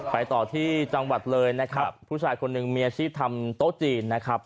ไปต่อที่จังหวัดเลยนะครับผู้ชายคนหนึ่งมีอาชีพทำโต๊ะจีนนะครับ